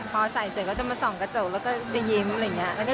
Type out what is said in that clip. พอใส่เสร็จก็จะมาส่องกระจกแล้วก็จะยิ้มอะไรอย่างนี้